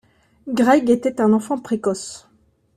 Greg était un enfant précoce.